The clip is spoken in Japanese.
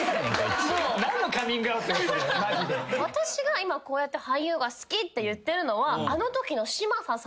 私が今こうやって俳優が好きって言ってるのは。